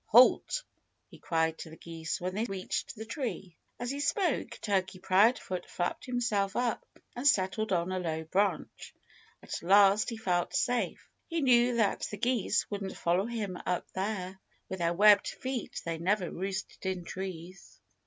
"Halt!" he cried to the geese when they reached the tree. As he spoke, Turkey Proudfoot flapped himself up and settled on a low branch. At last he felt safe. He knew that the geese wouldn't follow him up there. With their webbed feet they never roosted in trees.